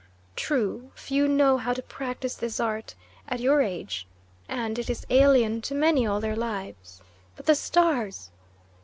True, few know how to practise this art at your age, and it is alien to many all their lives. But the stars!